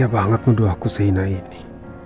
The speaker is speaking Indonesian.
tapi apa anget mudo aku sena ini